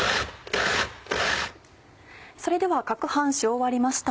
それでは攪拌し終わりました。